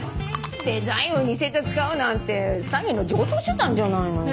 デザインを似せて使うなんて詐欺の常套手段じゃないのよ。